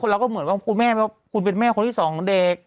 เราก็เหมือนว่าคุณแม่คุณเป็นแม่คนที่สองของเด็ก